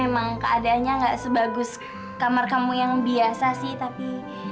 emang keadaannya gak sebagus kamar kamu yang biasa sih tapi